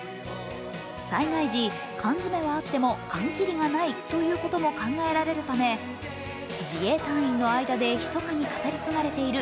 災害時、缶詰はあっても缶切りがないということも考えられるため自衛隊員の間でひそかに語り継がれている